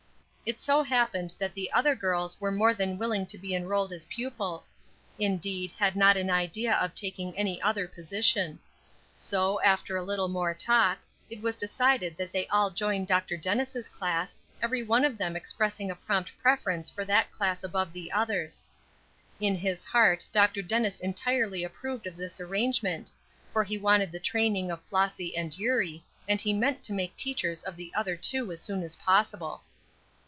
It so happened that the other girls were more than willing to be enrolled as pupils; indeed, had not an idea of taking any other position. So, after a little more talk, it was decided that they all join Dr. Dennis' class, every one of them expressing a prompt preference for that class above the others. In his heart Dr. Dennis entirely approved of this arrangement, for he wanted the training of Flossy and Eurie, and he meant to make teachers of the other two as soon as possible.